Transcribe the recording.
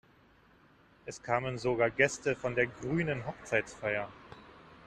Es kamen sogar Gäste von der grünen Hochzeitsfeier.